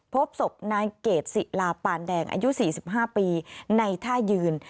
พบศพนายเกดศิลาปานแดงอายุ๔๕ปีในท่ายืน